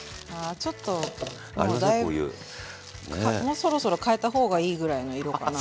もうそろそろ変えた方がいいぐらいの色かな。